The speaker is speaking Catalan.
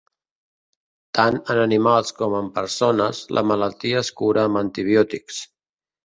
Tant en animals com en persones, la malaltia es cura amb antibiòtics.